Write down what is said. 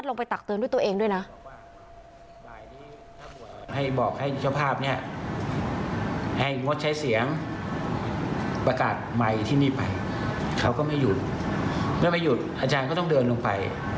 ไม่มีหยุดอาจารย์ก็ต้องเดินลงไป